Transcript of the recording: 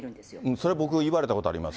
それ僕、言われたことあります。